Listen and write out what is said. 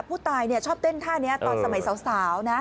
ผู้ตายชอบเต้นท่านี้ตอนสมัยสาวนะ